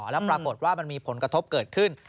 แล้วปรากฏว่ามันมีผลกระทบเกิดขึ้น